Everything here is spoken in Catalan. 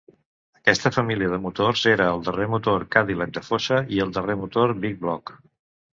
Aquesta família de motors era el darrer motor Cadillac de fosa i el darrer motor "big-block".